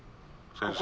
先生？